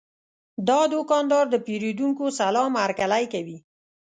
دا دوکاندار د پیرودونکو سلام هرکلی کوي.